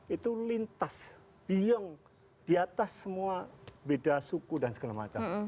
itu lintas biong di atas semua beda suku dan segala macam